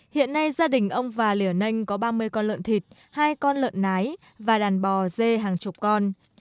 hiện nay gia đình ông và lìa nênh có ba mươi con lợn thịt hai con lợn nái và đàn bò dê hàng chục con